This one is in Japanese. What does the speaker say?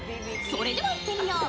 それでは、行ってみよう。